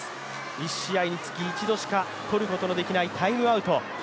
１試合につき１度しか取ることができないタイムアウト。